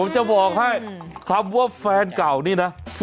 จะบอกให้คำว่าแฟนเก่านี่นะ